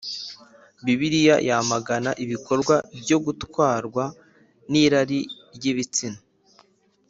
Bibiliya yamagana ibikorwa byo gutwarwa n irari ry ibitsina